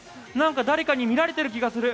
誰かに見られている気がする！